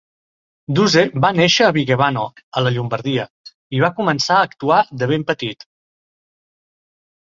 Duse va néixer a Vigevano, a la Llombardia, i va començar a actuar de ben petit.